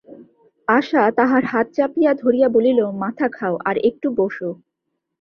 আশা তাহার হাত চাপিয়া ধরিয়া বলিল, মাথা খাও আর একটু বোসো।